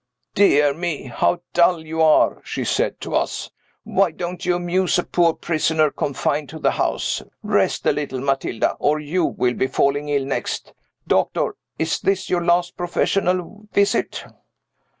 "Dear me, how dull you are!" she said to us. "Why don't you amuse a poor prisoner confined to the house? Rest a little, Matilda, or you will be falling ill next. Doctor! is this your last professional visit?"